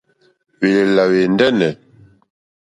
Hwèlèlà hwɛ̀ ndɛ́nɛ̀.